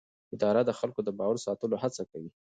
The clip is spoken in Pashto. اداره د خلکو د باور ساتلو هڅه کوي.